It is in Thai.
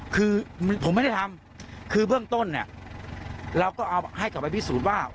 คือผมไม่ได้ทำคือเบื้องต้นเนี่ยเราก็เอาให้กลับไปพิสูจน์ว่า